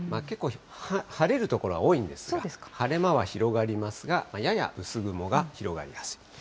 結構、晴れる所は多いんですが、晴れ間は広がりますが、やや薄雲が広がりやすい。